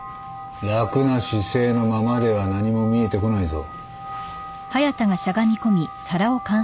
楽な姿勢のままでは何も見えてこないぞ。